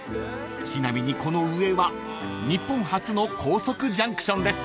［ちなみにこの上は日本初の高速ジャンクションです］